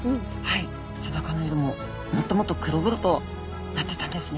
背中の色ももっともっと黒々となってったんですね。